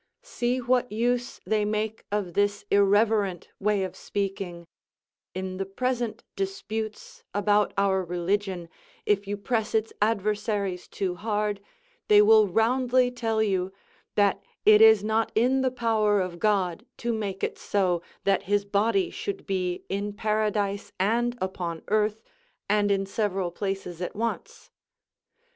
See what use they make of this irreverent way of speaking; in the present disputes about our religion, if you press its adversaries too hard, they will roundly tell you, "that it is not in the power of God to make it so, that his body should be in paradise and upon earth, and in several places at once."